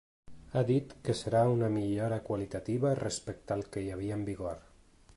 Ha dit que serà una millora qualitativa respecte al que hi havia en vigor.